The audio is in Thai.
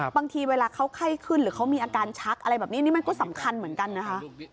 บางทีเวลาเขาไข้ขึ้นหรือเขามีอาการชักอะไรแบบนี้นี่มันก็สำคัญเหมือนกันนะคะ